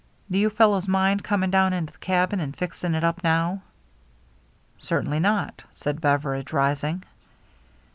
Do you fellows mind coming down into the cabin and fixing it up now ?"" Certainly not," said Beveridge, rising.